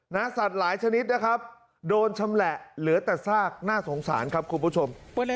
สัตว์หลายชนิดนะครับโดนชำแหละเหลือแต่ซากน่าสงสารครับคุณผู้ชม